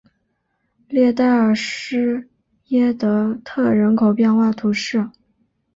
列代尔施耶德特人口变化图示